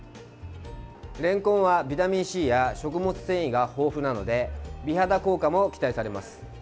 れんこんは、ビタミンＣや食物繊維が豊富なので美肌効果も期待されます。